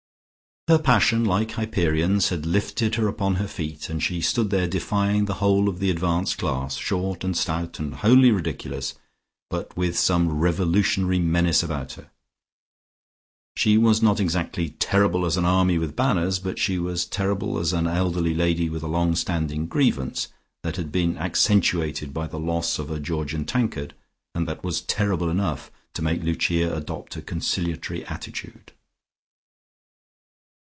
Her passion, like Hyperion's, had lifted her upon her feet, and she stood there defying the whole of the advanced class, short and stout and wholly ridiculous, but with some revolutionary menace about her. She was not exactly "terrible as an army with banners," but she was terrible as an elderly lady with a long standing grievance that had been accentuated by the loss of a Georgian tankard, and that was terrible enough to make Lucia adopt a conciliatory attitude.